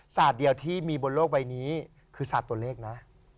ศาสตร์เดียวที่มีบนโลกใบนี้คือศาสตร์ตัวเลขนะ